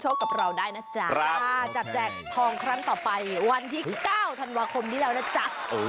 จัดแจกทองครั้งต่อไปวันที่๙ธันวาคมนี้แล้วนะจ๊ะ